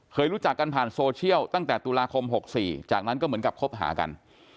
รู้จักกันผ่านโซเชียลตั้งแต่ตุลาคม๖๔จากนั้นก็เหมือนกับคบหากัน